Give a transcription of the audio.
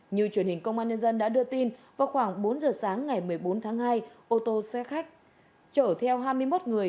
như truyền hình công an nhân dân đã đưa tin vào khoảng bốn giờ sáng ngày một mươi bốn tháng hai ô tô xe khách chở theo hai mươi một người